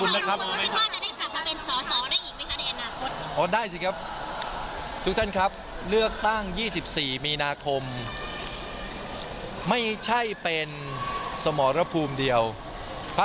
และที่สำคัญผมยังเป็นแคนดิเดศนายุทธมรธมนตรีอยู่